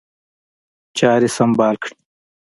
چاري سمبال کړي.